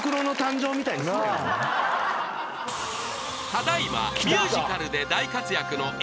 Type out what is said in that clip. ［ただ今ミュージカルで大活躍のエハラ］